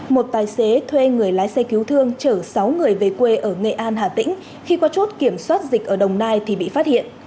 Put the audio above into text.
một tài xế thuê người lái xe cứu thương chở sáu người về quê ở nghệ an hà tĩnh khi có chốt kiểm soát dịch ở đồng nai thì bị phát hiện